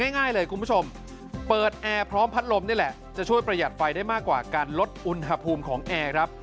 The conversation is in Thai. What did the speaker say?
ง่ายเลยคุณผู้ชมเปิดแอร์พร้อมพัดลมนี่แหละจะช่วยประหยัดไฟได้มากกว่าการลดอุณหภูมิของแอร์ครับ